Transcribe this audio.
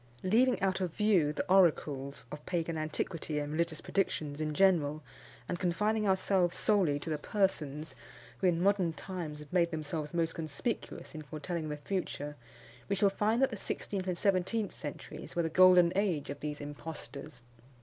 Leaving out of view the oracles of pagan antiquity and religious predictions in general, and confining ourselves solely to the persons who, in modern times, have made themselves most conspicuous in foretelling the future, we shall find that the sixteenth and seventeenth centuries were the golden age of these impostors.